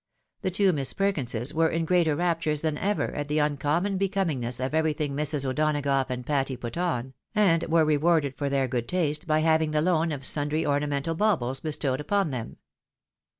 The two Miss Perkinses were in greater raptures than ever at the uncommon becomingness of everything Mrs. O'Donagough and Patty put on, and were rewarded for their good taste ' by having the loan of sundry ornamental baubles bestowed upon them.